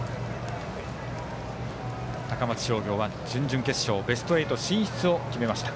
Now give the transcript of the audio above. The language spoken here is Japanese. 高松商業は準々決勝ベスト８進出を決めました。